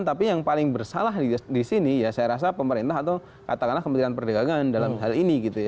tapi yang paling bersalah di sini ya saya rasa pemerintah atau katakanlah kementerian perdagangan dalam hal ini gitu ya